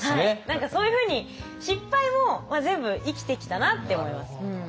何かそういうふうに失敗も全部生きてきたなって思います。